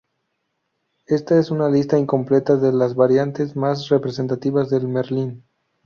Esta es una lista incompleta de las variantes más representativas del Merlin.